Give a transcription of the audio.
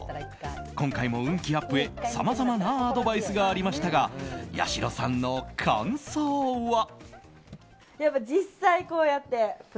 今回も運気アップへさまざまなアドバイスがありましたがやしろさんの感想は。